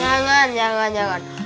jangan jangan jangan